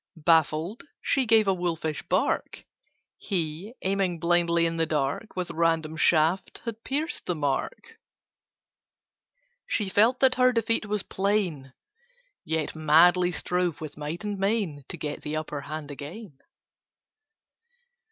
Baffled, she gave a wolfish bark: He, aiming blindly in the dark, With random shaft had pierced the mark. She felt that her defeat was plain, Yet madly strove with might and main To get the upper hand again.